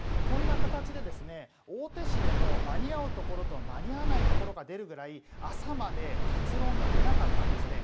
こんな形で大手紙でも間に合うところと間に合わないところが出るぐらい、朝まで結論が出なかったんです。